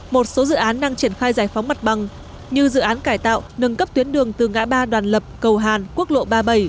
một số dự án đang triển khai giải phóng mặt bằng như dự án cải tạo nâng cấp tuyến đường từ ngã ba đoàn lập cầu hàn quốc lộ ba mươi bảy